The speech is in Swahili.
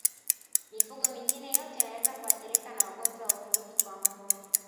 Mifugo mingine yote inaweza kuathirika na ugonjwa wa ukurutu kwa ngombe